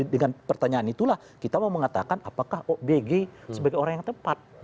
dengan pertanyaan itulah kita mau mengatakan apakah obg sebagai orang yang tepat